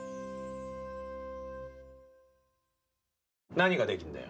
何ができるんだよ。